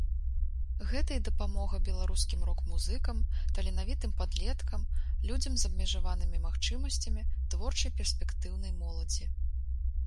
Гэта і дапамога беларускім рок-музыкам, таленавітым падлеткам, людзям з абмежаванымі магчымасцямі, творчай перспектыўнай моладзі.